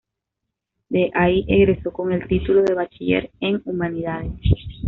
De ahí egresó con el título de Bachiller en Humanidades.